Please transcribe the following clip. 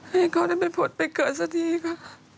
ให้เขาได้ไปผลไปเกิดสักทีค่ะ